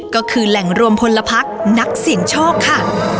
ก็คือแหล่งรวมพลพักนักเสี่ยงโชคค่ะ